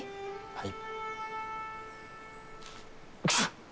はい。